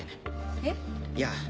えっ？いや。